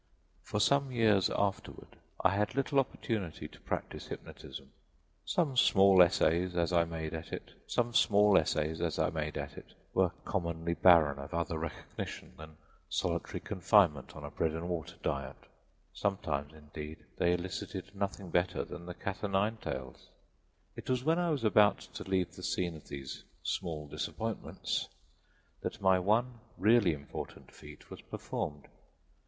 For some years afterward I had little opportunity to practice hypnotism; such small essays as I made at it were commonly barren of other recognition than solitary confinement on a bread and water diet; sometimes, indeed, they elicited nothing better than the cat o' nine tails. It was when I was about to leave the scene of these small disappointments that my one really important feat was performed.